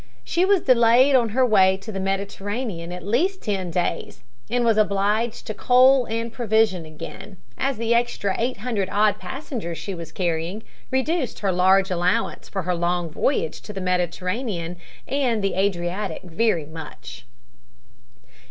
She was delayed on her way to the Mediterranean at least ten days and was obliged to coal and provision again, as the extra 800 odd passengers she was carrying reduced her large allowance for her long voyage to the Mediterranean and the Adriatic very much.